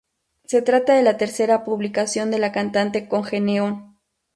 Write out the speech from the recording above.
Se trata de la tercera publicación de la cantante con Geneon.